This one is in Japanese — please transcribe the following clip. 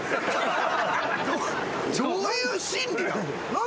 どういう心理なん？